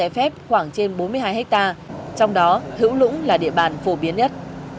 trái phép khoảng trên bốn mươi hai hectare trong đó hữu lũng là địa bàn phổ biến nhất